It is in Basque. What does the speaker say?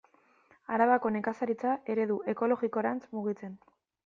Arabako nekazaritza eredu ekologikorantz mugitzen.